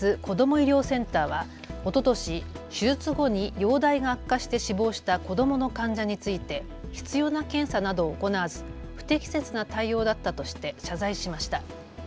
医療センターはおととし、手術後に容体が悪化して死亡した子どもの患者について必要な検査などを行わず不適切な対応だったとして謝罪しました。